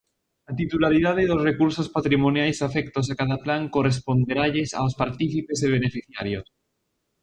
A titularidade dos recursos patrimoniais afectos a cada plan corresponderalles aos partícipes e beneficiarios.